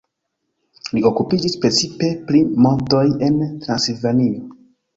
Li okupiĝis precipe pri montoj en Transilvanio.